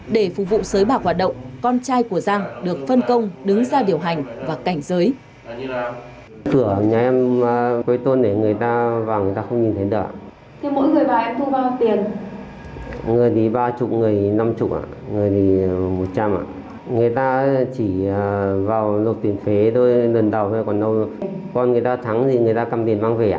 để phục vụ xới bạc hoạt động con trai của giang được phân công đứng ra điều hành và cảnh giới